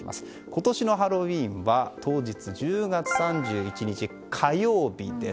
今年のハロウィーンは当日１０月３１日火曜日です。